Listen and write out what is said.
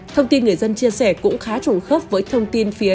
thông tin người dân chia sẻ cũng khá trùng khớp với thông tin phía